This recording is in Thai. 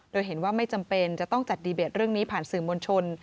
โดยเห็นว่าไม่จำเป็นจะต้องจัดดีเบตเรื่องนี้ผ่านสื่อมวลชน